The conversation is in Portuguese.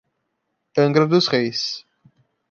Angra Dos Reis